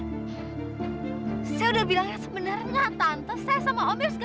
hey saya mau tanya ada hubungan apa kamu sama suami saya